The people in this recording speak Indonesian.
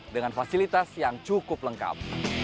dengan fasilitas yang cukup lengkap